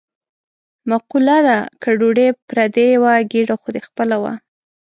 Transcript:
مقوله ده: که ډوډۍ پردۍ وه ګېډه خو دې خپله وه.